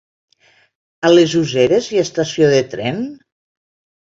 A les Useres hi ha estació de tren?